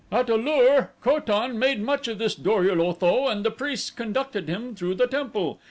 "At A lur, Ko tan made much of this Dor ul Otho and the priests conducted him through the temple.